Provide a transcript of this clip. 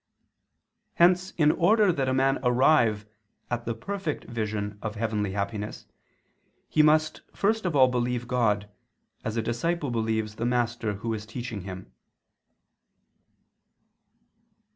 Hence in order that a man arrive at the perfect vision of heavenly happiness, he must first of all believe God, as a disciple believes the master who is teaching him.